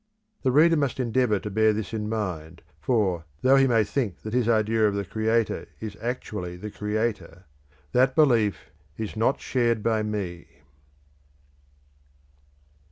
The reader must endeavour to bear this in mind, for, though he may think that his idea of the creator is actually the Creator, that belief is not shared by me.